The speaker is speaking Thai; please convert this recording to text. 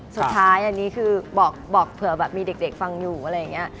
สุดท้ายอันนี้คือบอกเผื่อแบบมีเด็กฟังอยู่อะไรอย่างนี้